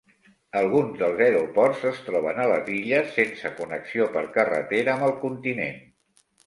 Alguns dels aeroports es troben a les illes sense connexió per carretera amb el continent.